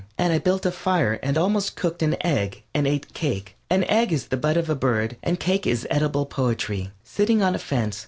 And I built a fire and almost cooked an egg and ate cake (an egg is the bud of a bird, and cake is edible poetry) sitting on a fence.